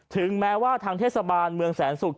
ถึงแม้ว่าทางเทศบาลเมืองแสนศุกร์